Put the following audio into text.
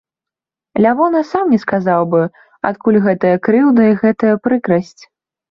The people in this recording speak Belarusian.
Лявон і сам не сказаў бы, адкуль гэтая крыўда і гэтая прыкрасць.